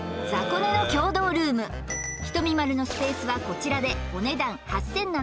雑魚寝の共同ルームひとみ○のスペースはこちらでお値段